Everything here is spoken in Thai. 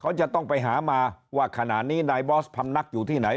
เขาจะต้องไปหามาว่าขณะนี้นายบอสพำนักอยู่ที่ไหน